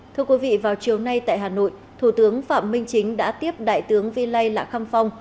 thưa quý vị vào chiều nay tại hà nội thủ tướng phạm minh chính đã tiếp đại tướng vi lây lạ khăm phong